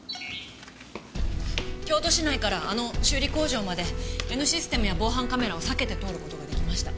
京都市内からあの修理工場までＮシステムや防犯カメラを避けて通る事が出来ました。